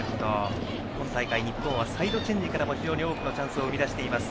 今大会、日本はサイドチェンジからも非常に多くのチャンスを生み出しています。